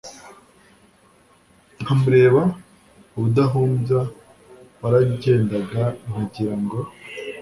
nkamureba ubudahubya waragendaga nkagira ngo